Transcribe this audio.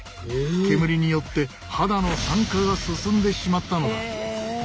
煙によって肌の酸化が進んでしまったのだ。